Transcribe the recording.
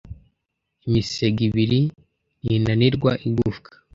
Imisega ibiri ntinanirwa igufa